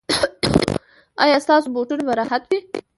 ایا ستاسو بوټونه به راحت وي؟